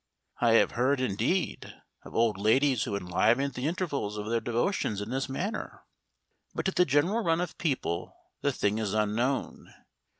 I have heard, indeed, of old ladies who enlivened the intervals of their devotions in this manner, but to the general run of people the thing is unknown.